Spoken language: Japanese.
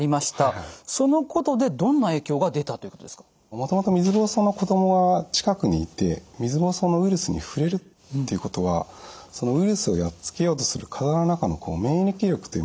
もともと水ぼうそうの子供が近くにいて水ぼうそうのウイルスに触れるっていうことはそのウイルスをやっつけようとする体の中の免疫力というものが活性化されるんですね。